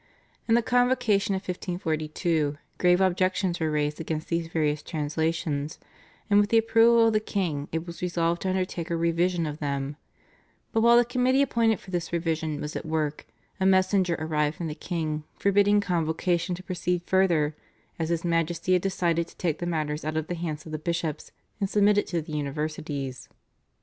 In the Convocation of 1542 grave objections were raised against these various translations, and with the approval of the king it was resolved to undertake a revision of them; but while the committee appointed for this revision was at work, a messenger arrived from the king forbidding Convocation to proceed further, as His Majesty had decided to take the matter out of the hands of the bishops and submit it to the universities.